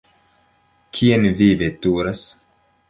Kien ni veturas?